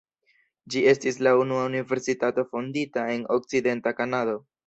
Ĝi estis la unua universitato fondita en okcidenta Kanado.